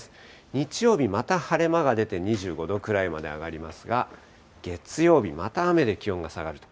日曜日、また晴れ間が出て、２５度ぐらいまで上がりますが、月曜日、また雨で気温が下がると。